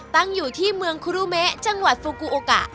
ตั้งอยู่ที่เมืองคุรุเมะจังหวัดฟูกูโอกะ